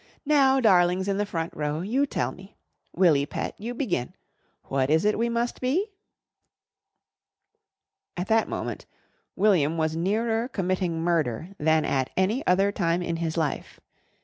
Now, darlings, in the front row, you tell me. Willy, pet, you begin. What is it we must be?" At that moment William was nearer committing murder than at any other time in his life.